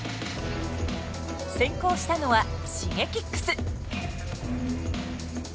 先攻したのはＳｈｉｇｅｋｉｘ。